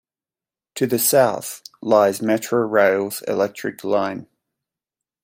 To the south lies Metra rail's Electric Line.